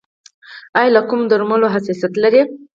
ایا له کومو درملو حساسیت لرئ؟